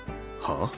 はあ？